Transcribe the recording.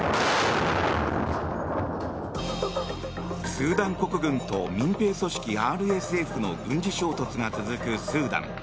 スーダン国軍と民兵組織ＲＳＦの軍事衝突が続くスーダン。